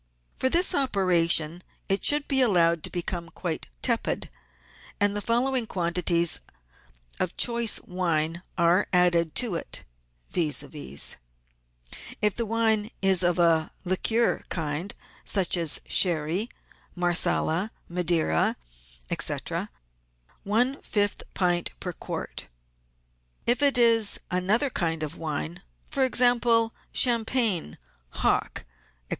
For this operation it should be allowed to become quite tepid, and the following quan tities of choice wine are added to it, viz. :— If the wine is of a liqueur kind, such as Sherry, Marsala, Madeira, &c., one fifth pint per quart. If it is another kind of wine, for example, champagne, hock, &c.